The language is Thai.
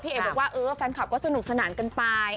เอ๊ะครับฟรานคับก็สนุกสนานเกินไป